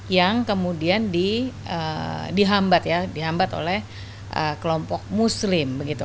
yang kemudian dihambat ya dihambat oleh kelompok muslim begitu